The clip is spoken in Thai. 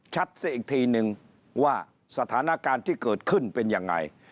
เสียอีกทีนึงว่าสถานการณ์ที่เกิดขึ้นเป็นยังไง